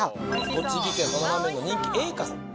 栃木県佐野ラーメンの人気永華さん。